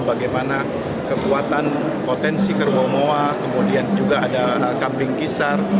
bagaimana kekuatan potensi kerbau moa kemudian juga ada kambing kisar